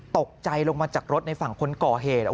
ตกใจลงมาจากรถในฝั่งคนก่อเหตุ